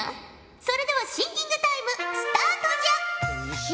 それではシンキングタイムスタートじゃ！